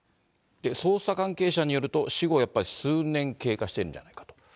捜査関係者によると、死後やっぱり数年経過してるんじゃないかと。